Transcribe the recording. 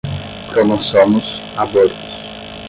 cromossomos, abortos